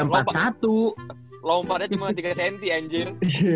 lompatnya cuma tiga cm anjir